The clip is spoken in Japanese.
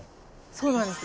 そうなんです。